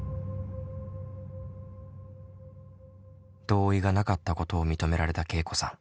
同意がなかったことを認められたけいこさん。